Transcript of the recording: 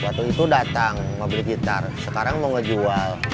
waktu itu datang mau beli gitar sekarang mau ngejual